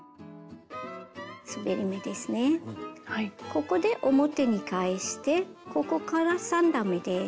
ここで表に返してここから３段めです。